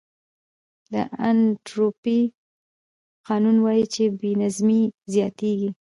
د انټروپي قانون وایي چې بې نظمي زیاتېږي.